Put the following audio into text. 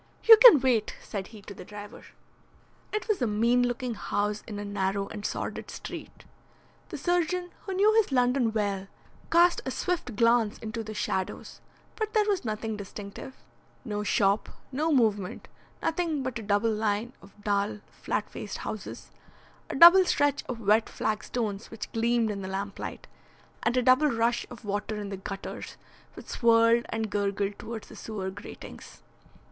"You can wait," said he to the driver. It was a mean looking house in a narrow and sordid street. The surgeon, who knew his London well, cast a swift glance into the shadows, but there was nothing distinctive no shop, no movement, nothing but a double line of dull, flat faced houses, a double stretch of wet flagstones which gleamed in the lamplight, and a double rush of water in the gutters which swirled and gurgled towards the sewer gratings.